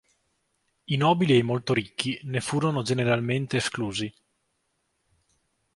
I nobili e i molto ricchi ne furono generalmente esclusi.